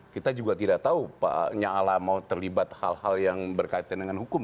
kita juga tidak tahu pak nyala mau terlibat hal hal yang berkaitan dengan hukum